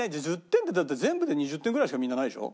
１０点ってだって全部で２０点ぐらいしかみんなないでしょ？